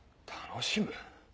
楽しむ？